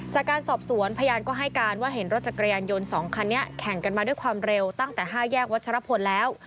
จากการสอบสวนพยานก็ให้การว่าเห็นรถจักรยานยนต์๒คันนี้แข่งกันมาด้วยความเร็วตั้งแต่๕แยกวัชรพลแล้ว